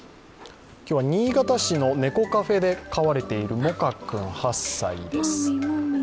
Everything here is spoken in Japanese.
今日は新潟市の猫カフェで変われているモカ君８歳です。